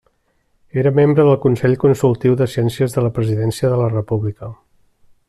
Era membre del Consell Consultiu de Ciències de la Presidència de la República.